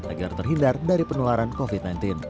agar terhindar dari penularan covid sembilan belas